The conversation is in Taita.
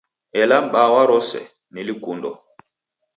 Ela m'baa wa rose, ni lukundo.